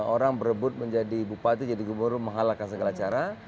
orang berebut menjadi bupati jadi gubernur menghalakan segala cara